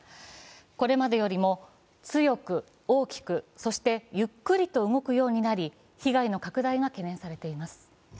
これまでよりも、強く、大きく、そしてゆっくりと動くようになり被害の拡大が懸念されています。